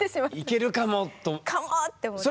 いけるかもと？かもって思って。